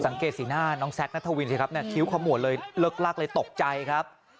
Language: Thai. สังเกตสีหน้าน้องแซคนัทวินคิ้วขอมวลเลยเลิกลากเลยตกใจครับ